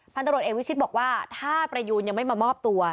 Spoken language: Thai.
ตรวจเอกวิชิตบอกว่าถ้าประยูนยังไม่มามอบตัว